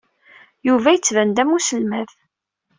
Yuba yettban-d am uselmad.